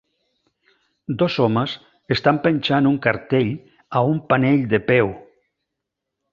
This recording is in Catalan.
Dos homes estan penjat un cartell a un panell de peu.